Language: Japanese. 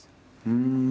うん。